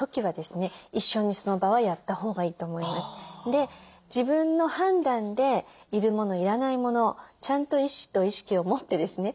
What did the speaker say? で自分の判断で要るもの要らないものちゃんと意思と意識を持ってですね